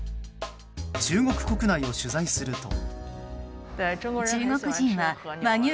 中国国内を取材すると。